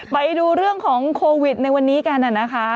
ไปดูเรื่องของโควิดในวันนี้กันนะคะ